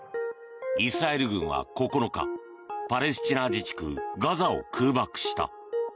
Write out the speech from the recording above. イスラエル軍は９日パレスチナ自治区ガザを空爆した。